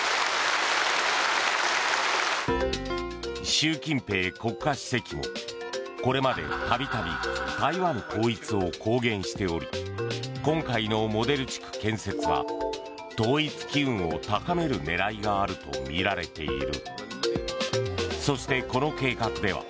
習近平国家主席もこれまで度々、台湾統一を公言しており今回のモデル地区建設は統一機運を高める狙いがあるとみられている。